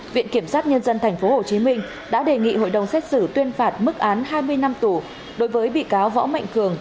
viện kiểm sát nhân dân tp hcm đã đề nghị hội đồng xét xử tuyên phạt mức án hai mươi năm tù đối với bị cáo võ mạnh cường